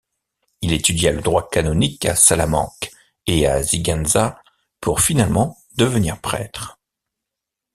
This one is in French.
Il étudia le droit canonique à Salamanque et à Siguenza pour finalement devenir prêtre.